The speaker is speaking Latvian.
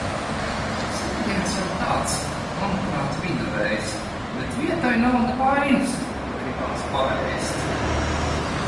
Tas ēdiens jau tāds, manuprāt, viduvējs, bet vietai nav ne vainas, ja gribas paēst.